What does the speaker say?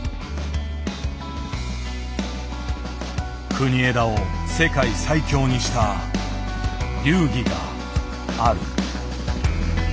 国枝を世界最強にした流儀がある。